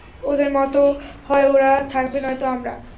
ওদের মত, হয় ওরা থাকবে নয়তো আমরা।